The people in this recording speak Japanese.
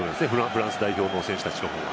フランス代表の選手たちの方が。